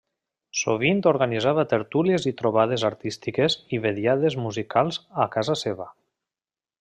Sovint organitzava tertúlies i trobades artístiques i vetllades musicals a casa seva.